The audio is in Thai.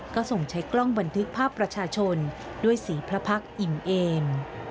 ก็ส่งใช้กล้องบันทึกภาพประชาชนด้วยสีพระพักษ์อิ่มเอม